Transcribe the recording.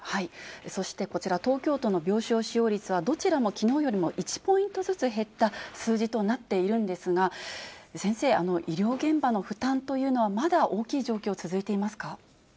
そしてこちら、東京都の病床使用率は、どちらもきのうよりも１ポイントずつ減った数字となっているんですが、先生、医療現場の負担というのはまだ大きい状況、続いていますか？